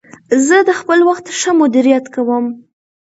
زه د خپل وخت ښه مدیریت کوم.